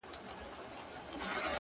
• د دوى دا هيله ده ـ